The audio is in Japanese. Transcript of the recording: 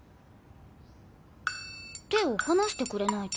手を離してくれないと。